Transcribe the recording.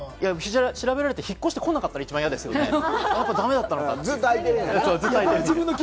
調べられて引っ越して来なかったら嫌ですよね、だめだったのかな？って。